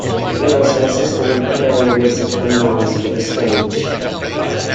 He also assisted in preparing "A Message From Mars" for the stage.